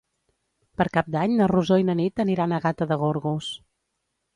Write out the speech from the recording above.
Per Cap d'Any na Rosó i na Nit aniran a Gata de Gorgos.